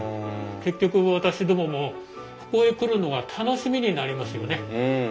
結局私どももここへ来るのが楽しみになりますよね。